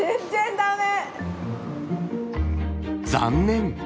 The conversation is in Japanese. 残念。